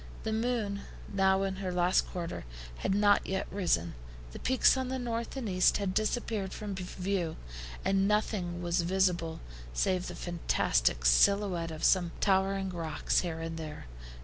The moon, now in her last quarter, had not yet risen. The peaks on the north and east had disappeared from view, and nothing was visible save the fantastic SILHOUETTE of some towering rocks here and there.